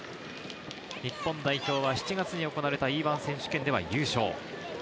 日本代表は７月に行われたＥ‐１選手権で優勝。